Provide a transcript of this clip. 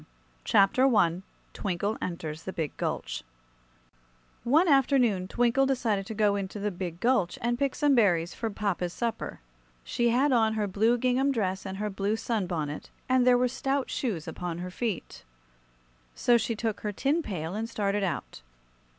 312 Chapter I Twinkle Enters the Big Gulch ONE afternoon Twinkle decided to go into the big gulch and pick some blueberries for papa's supper. She had on her blue gingham dress and her blue sun bonnet, and there were stout shoes upon her feet. So she took her tin pail and started out.